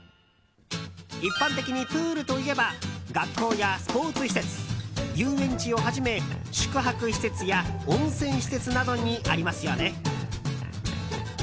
一般的にプールといえば学校やスポーツ施設遊園地をはじめ宿泊施設や温泉施設などにありますよね。